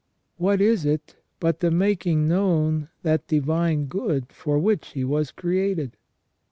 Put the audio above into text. What is it but the making known that divine good for which he was created?